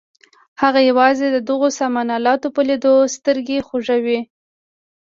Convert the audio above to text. هغه یوازې د دغو سامان الاتو په لیدلو سترګې خوږوي.